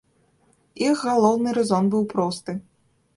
Іх галоўны рэзон быў просты.